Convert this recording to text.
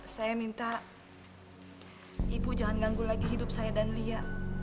saya minta ibu jangan ganggu lagi hidup saya dan lia